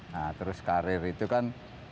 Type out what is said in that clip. nah terus karir itu kan